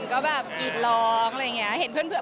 ก็แบบกรีดร้องอะไรอย่างนี้